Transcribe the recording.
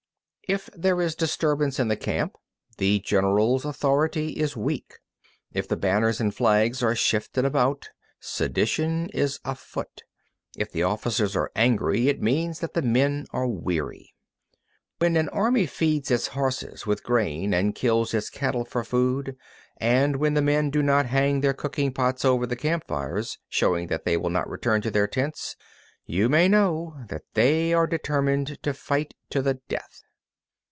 33. If there is disturbance in the camp, the general's authority is weak. If the banners and flags are shifted about, sedition is afoot. If the officers are angry, it means that the men are weary. 34. When an army feeds its horses with grain and kills its cattle for food, and when the men do not hang their cooking pots over the camp fires, showing that they will not return to their tents, you may know that they are determined to fight to the death.